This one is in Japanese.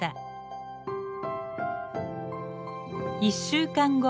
１週間後。